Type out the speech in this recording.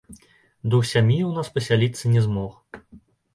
Дух сям'і ў нас пасяліцца не змог.